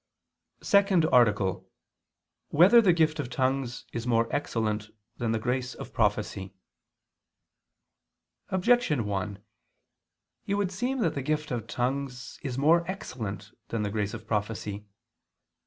_______________________ SECOND ARTICLE [II II, Q. 176, Art. 2] Whether the Gift of Tongues Is More Excellent Than the Grace of Prophecy? Objection 1: It would seem that the gift of tongues is more excellent than the grace of prophecy.